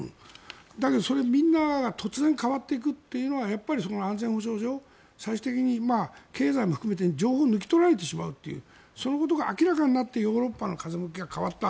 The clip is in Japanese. だけど、それはみんなが突然変わっていくというのはそこの安全保障上、最終的に経済も含めて情報を抜き取られてしまうというそのことが明らかになってヨーロッパの風向きが変わった。